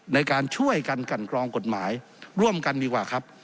ในการช่วยกันกันกรองกฎหมายร่วมกันดีกว่าครับ